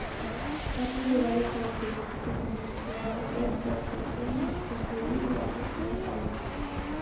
Otros rivales característicos son Ituzaingó, Berazategui, Temperley y Leandro N. Alem.